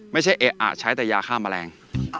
ไม่ใช่เอกอาจใช้แต่ยาฆ่าแมลง